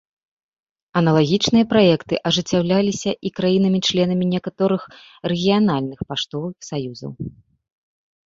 Аналагічныя праекты ажыццяўляліся і краінамі-членамі некаторых рэгіянальных паштовых саюзаў.